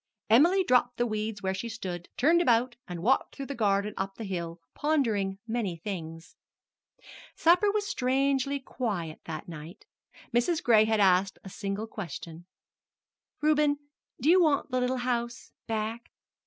Emily dropped the weeds where she stood, turned about, and walked through the garden and up the hill, pondering many things. Supper was strangely quiet that night. Mrs. Gray had asked a single question: "Reuben, do you want the little house back?"